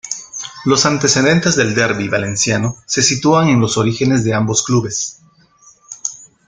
Los antecedentes del derbi valenciano se sitúan en los orígenes de ambos clubes.